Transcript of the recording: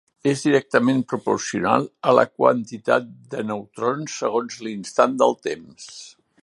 És directament proporcional a la quantitat de neutrons segons l'instant de temps.